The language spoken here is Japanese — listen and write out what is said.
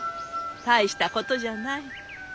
大したことじゃない。